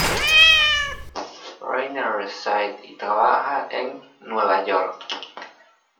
Rainer reside y trabaja en Nueva York.